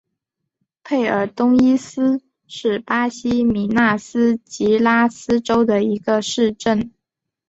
佩尔东伊斯是巴西米纳斯吉拉斯州的一个市镇。